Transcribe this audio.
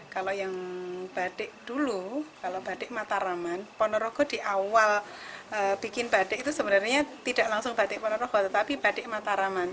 kalau yang batik dulu kalau batik mataraman ponorogo di awal bikin batik itu sebenarnya tidak langsung batik ponorogo tetapi batik mataraman